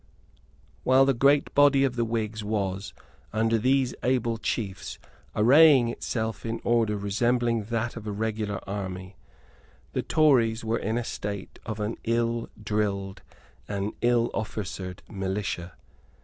While the great body of the Whigs was, under these able chiefs, arraying itself in order resembling that of a regular army, the Tories were in a state of an ill drilled and ill officered militia.